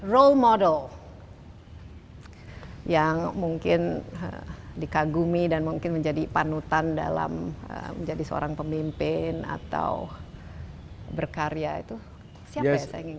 role model yang mungkin dikagumi dan mungkin menjadi panutan dalam menjadi seorang pemimpin atau berkarya itu siapa ya saya ingin